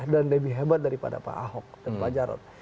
dan lebih hebat daripada pak ahok dan pak jarot